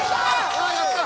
ああやった。